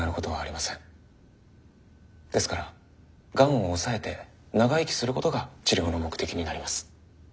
ですからがんを抑えて長生きすることが治療の目的になります。